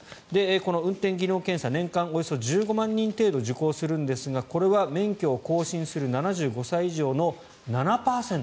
この運転技能検査年間およそ１５万人程度受講するんですがこれは免許を更新する７５歳以上の７％。